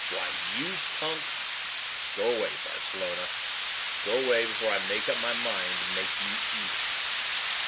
"Why, you punk " "Go away, Barcelona. Go away before I make up my mind to make you eat it."